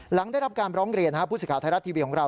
หลังได้รับการร้องเรียนผู้สิทธิ์ไทยรัฐทีวีของเรา